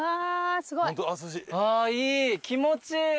いい気持ちいい。